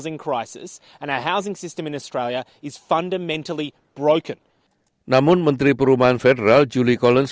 namun menteri perumahan federal julie collens